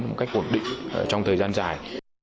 một cách ổn định trong thời gian dài